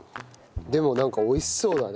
でもなんか美味しそうだね。